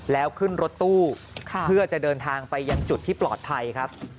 แล้วขึ้นรถตู้เพื่อจะเดินทางไปยังจุดที่ปลอดภัยครับ